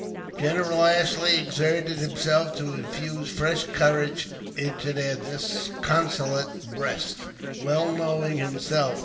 General Ashley exerted himself to infuse fresh courage into their disconsolate breasts, well knowing himself